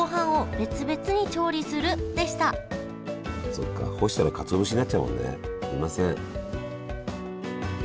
そっか干したらかつお節になっちゃうもんねすいません。